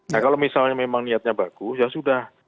nah kalau misalnya memang niatnya bagus ya sudah